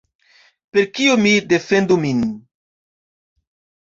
Per kio mi defendu min?